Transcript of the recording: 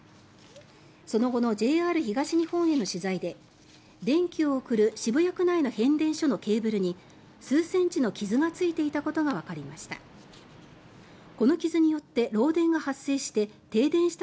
その後のＪＲ東日本への取材で電気を送る渋谷区内の変電所のケーブルに数センチの傷がついていたことがわかりました。